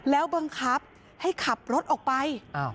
แล้วบังคับให้ขับรถออกไป